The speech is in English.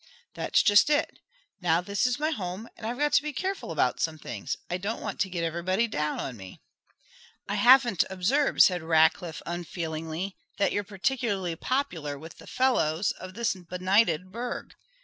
"That's just it. Now this is my home, and I've got to be careful about some things. I don't want to get everybody down on me." "I haven't observed," said Rackliff unfeelingly, "that you're particularly popular with the fellows of this benighted burg."